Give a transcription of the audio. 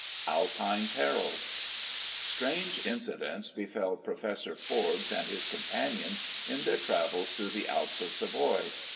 ALPINE PERILS. Strange incidents befel Professor Forbes, and his companions, in their travels through the Alps of Savoy.